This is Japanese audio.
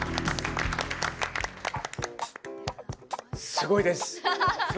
すごいです。